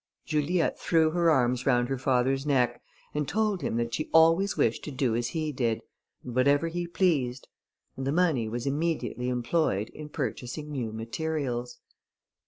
Juliette threw her arms round her father's neck, and told him that she always wished to do as he did, and whatever he pleased; and the money was immediately employed in purchasing new materials.